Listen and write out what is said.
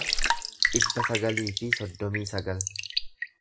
dhibba sagalii fi soddomii sagal